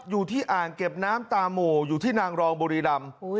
อยู่ที่อ่างเก็บน้ำตามูอยู่ที่นางรองบุรีรำ